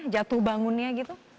jatuh bangunnya gitu